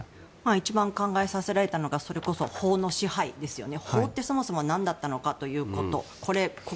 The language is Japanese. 一番考えさせられたのがそれこそ法の支配でしたよね。